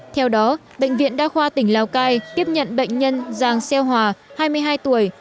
theo đó bệnh viện đa khoa tỉnh lào cai tiếp nhận bệnh nhân giàng xeo hòa hai mươi hai tuổi